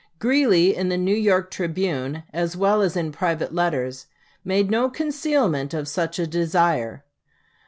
Greeley, in the New York "Tribune" as well as in private letters, made no concealment of such a desire.